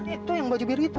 itu yang baju biru itu